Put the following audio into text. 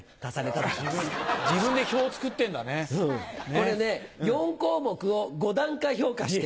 これね４項目を５段階評価して。